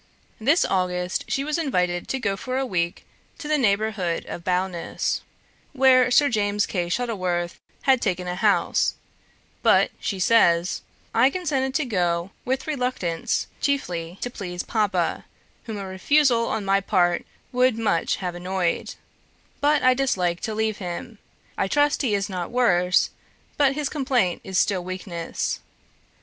This August she was invited to go for a week to the neighbourhood of Bowness, where Sir James Kay Shuttleworth had taken a house; but she says, "I consented to go, with reluctance, chiefly to please Papa, whom a refusal on my part would much have annoyed; but I dislike to leave him. I trust he is not worse, but his complaint is still weakness.